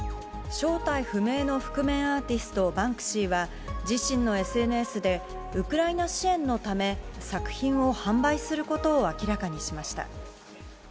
正体不明の覆面アーティスト、バンクシーは、自身のＳＮＳで、ウクライナ支援のため、作品を販売することを明らかにしました。